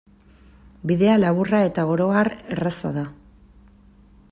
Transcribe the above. Bidea laburra eta oro har erraza da.